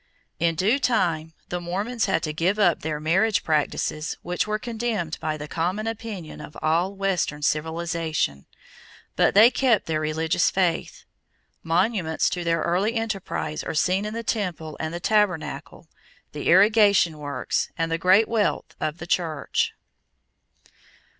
In due time the Mormons had to give up their marriage practices which were condemned by the common opinion of all western civilization; but they kept their religious faith. Monuments to their early enterprise are seen in the Temple and the Tabernacle, the irrigation works, and the great wealth of the Church.